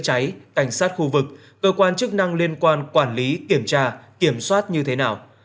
cháy cảnh sát khu vực cơ quan chức năng liên quan quản lý kiểm tra kiểm soát như thế nào